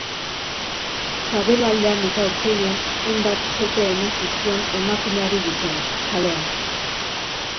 Sabelaldean eta aurpegian hainbat kolpe eman zizkion emakumeari gizonak, kalean.